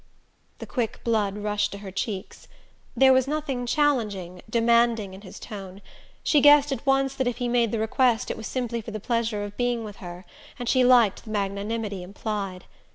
The quick blood rushed to her cheeks. There was nothing challenging, demanding in his tone she guessed at once that if he made the request it was simply for the pleasure of being with her, and she liked the magnanimity implied.